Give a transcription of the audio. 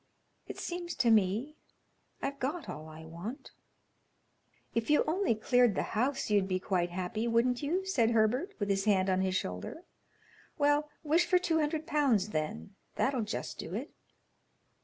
"It seems to me I've got all I want." "If you only cleared the house, you'd be quite happy, wouldn't you?" said Herbert, with his hand on his shoulder. "Well, wish for two hundred pounds, then; that 'll just do it."